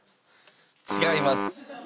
違います。